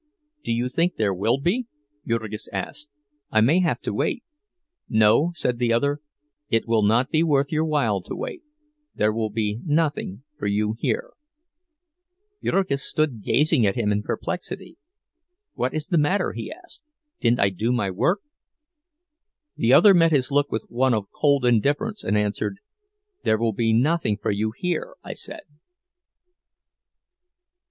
"Do you think there will be?" Jurgis asked. "I may have to wait." "No," said the other, "it will not be worth your while to wait—there will be nothing for you here." Jurgis stood gazing at him in perplexity. "What is the matter?" he asked. "Didn't I do my work?" The other met his look with one of cold indifference, and answered, "There will be nothing for you here, I said."